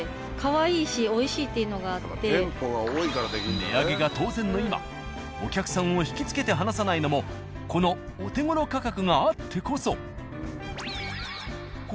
値上げが当然の今お客さんを惹きつけて離さないのもこのお手頃価格があってこそ。